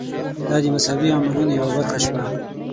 دا د مذهبي عملونو یوه برخه شوه.